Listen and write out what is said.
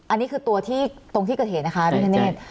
อันนี้คือตัวที่ตรงที่เกิดเหตุนะคะพี่ธเนธ